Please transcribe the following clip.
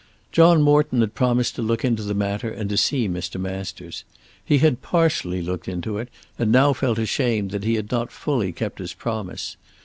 John Morton had promised to look into the matter and to see Mr. Masters. He had partially looked into it and now felt ashamed that he had not fully kept his promise.